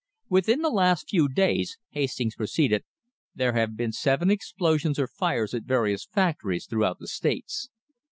"Within the last few days," Hastings proceeded, "there have been seven explosions or fires at various factories throughout the States.